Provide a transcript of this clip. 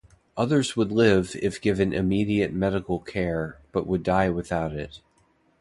Others would live if given immediate medical care, but would die without it.